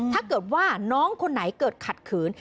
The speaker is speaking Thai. ถ้าเกิดว่าน้องคนไหนเกิดขัดขืน